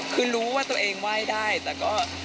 คือรู้ว่าตัวเองไหว้ได้แต่ก็